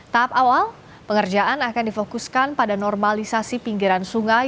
tahap awal pengerjaan akan difokuskan pada normalisasi pinggiran sungai